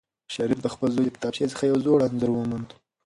شریف د خپل زوی له کتابچې څخه یو زوړ انځور وموند.